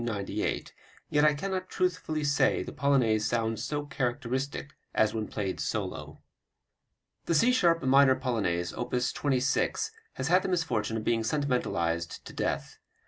Yet I cannot truthfully say the Polonaise sounds so characteristic as when played solo. The C sharp minor Polonaise, op. 26, has had the misfortune of being sentimentalized to death.